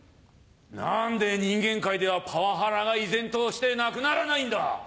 何で人間界ではパワハラが依然としてなくならないんだ！